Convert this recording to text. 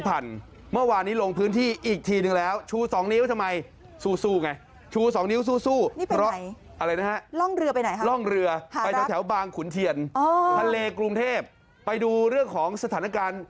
แผ่นดินเจอแบบนี้มาเป็นหลาย